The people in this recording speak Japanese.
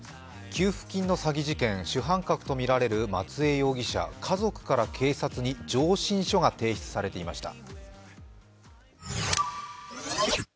給付金の詐欺事件、主犯格と見られる松江容疑者家族から警察署に上申書が提出されていました。